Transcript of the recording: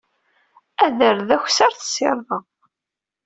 Ader d akessar, tessirdeḍ.